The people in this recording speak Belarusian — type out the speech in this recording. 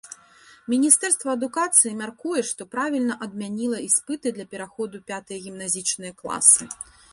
Міністэрства адукацыі мяркуе, што правільна адмяніла іспыты для пераходу пятыя гімназічныя класы.